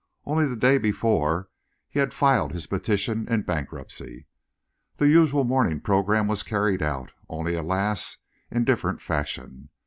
Only the day before he had filed his petition in bankruptcy. The usual morning programme was carried out, only, alas! in different fashion.